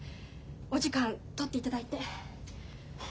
お時間取っていただいて。